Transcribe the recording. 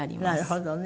なるほどね。